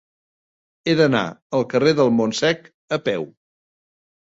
He d'anar al carrer del Montsec a peu.